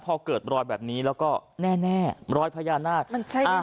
ต่อก็เกิดรอยแบบนี้แล้วก็แน่รอยพญานาคมันใช่แน่